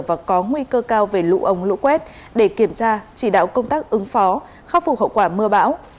và có nguy cơ cao về lũ ống lũ quét để kiểm tra chỉ đạo công tác ứng phó khắc phục hậu quả mưa bão